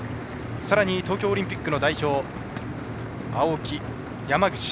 さらに東京オリンピックの代表青木、山口。